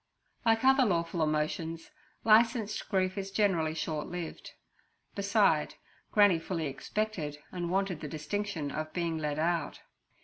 Like other lawful emotions, licensed grief is generally short lived. Beside, Granny fully expected and wanted the distinction of being led out.